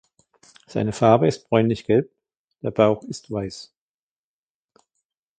Seine Farbe ist bräunlichgelb, der Bauch ist weiß.